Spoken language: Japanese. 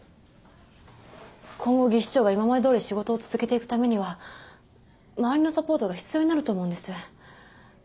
今後技師長が今までどおり仕事を続けていくためには周りのサポートが必要になると思うんです。